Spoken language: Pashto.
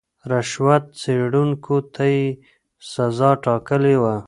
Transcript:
رشوت خوړونکو ته يې سزا ټاکلې وه.